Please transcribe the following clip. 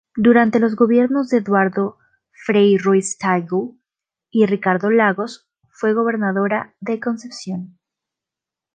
Durante los gobiernos de Eduardo Frei Ruiz-Tagle y Ricardo Lagos fue gobernadora de Concepción.